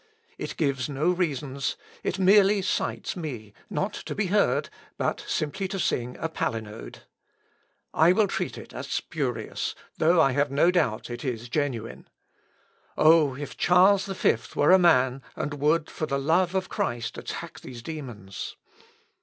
It gives no reasons; it merely cites me, not to be heard, but simply to sing a palinode. I will treat it as spurious, though I have no doubt it is genuine. O, if Charles V were a man, and would, for the love of Christ, attack these demons!